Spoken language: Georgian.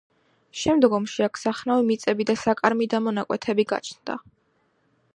შემდგომში აქ სახნავი მიწები და საკარმიდამო ნაკვეთები გაჩნდა.